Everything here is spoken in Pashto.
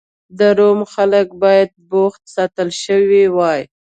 د روم خلک باید بوخت ساتل شوي وای.